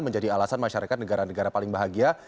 menjadi alasan masyarakat negara negara paling bahagia